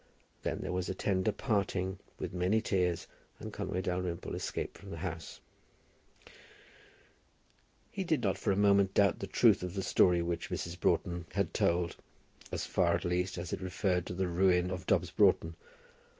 Then there was a tender parting, with many tears, and Conway Dalrymple escaped from the house. He did not for a moment doubt the truth of the story which Mrs. Broughton had told, as far, at least, as it referred to the ruin of Dobbs Broughton.